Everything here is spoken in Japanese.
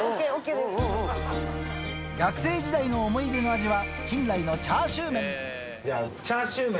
学生時代の思い出の味は、珍来のチャーシューメン。